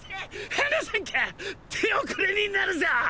放さんか手遅れになるぞ！